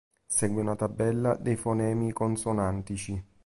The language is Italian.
Segue una tabella dei fonemi consonantici.